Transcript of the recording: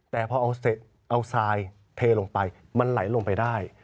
แต่พอเอาทรายเทลงไปมันไหลลงไปได้